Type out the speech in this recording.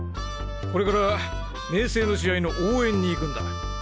これから明青の試合の応援に行くんだ。